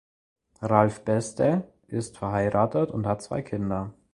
Ralf Beste ist verheiratet und hat zwei Kinder.